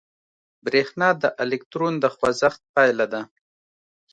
برېښنا د الکترون د خوځښت پایله ده.